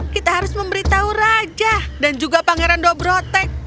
kita harus memberitahu raja dan juga pangeran dobrotek